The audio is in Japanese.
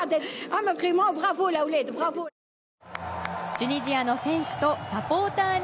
チュニジアの選手とサポーターに。